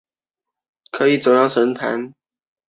小紫果槭为槭树科槭属下的一个变种。